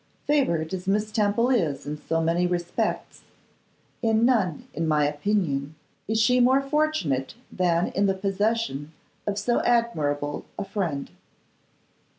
'Favoured as Miss Temple is in so many respects, in none, in my opinion, is she more fortunate than in the possession of so admirable a friend.